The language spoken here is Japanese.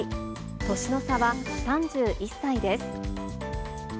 年の差は３１歳です。